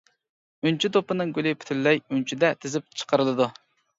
ئۈنچە دوپپىنىڭ گۈلى پۈتۈنلەي ئۈنچىدە تىزىپ چىقىرىلىدۇ.